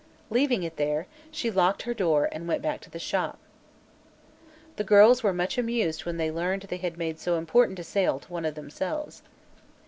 Leaving it there, she locked her door and went back to the Shop. The girls were much amused when they learned they had made so important a sale to one of themselves.